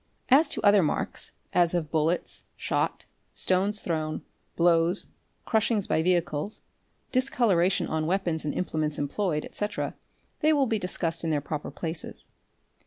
As to other marks, as of bullets, shot, stones thrown, blows, crushings by vehicles, discoloration on weapons and implements employed, etc., they will be discussed in their proper places.